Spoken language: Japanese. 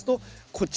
こっち。